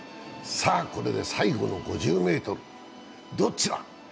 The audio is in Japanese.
さあこれで最後の５０ｍ、どっちだ。